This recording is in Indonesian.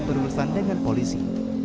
berurusan dengan polisi